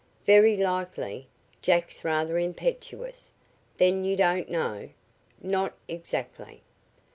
"Very likely. Jack's rather impetuous. Then you don't know?" "Not exactly."